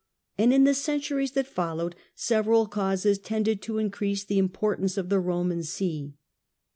And in the centuries that followed several causes tended to increase the import ance of the Roman See.